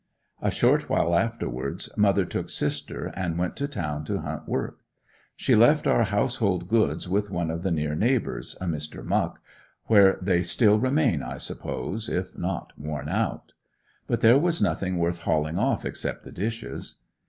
A short while afterwards mother took sister and went to town to hunt work. She left her household goods with one of the near neighbors, a Mr. Muck, where they still remain I suppose, if not worn out. But there was nothing worth hauling off except the dishes.